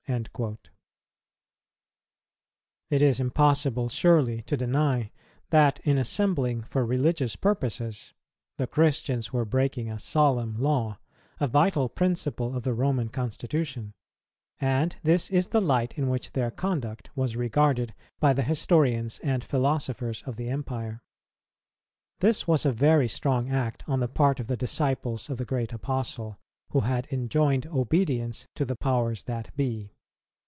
"[235:2] It is impossible surely to deny that, in assembling for religious purposes, the Christians were breaking a solemn law, a vital principle of the Roman constitution; and this is the light in which their conduct was regarded by the historians and philosophers of the Empire. This was a very strong act on the part of the disciples of the great Apostle, who had enjoined obedience to the powers that be.